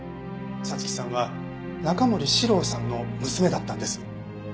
彩月さんは中森司郎さんの娘だったんです。